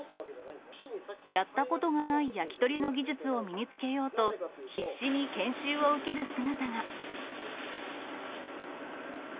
やったことがない焼き鳥の技術を身につけようと、必死に研究を受ける姿が。